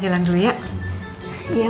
jangan ngelayap jangan kemana mana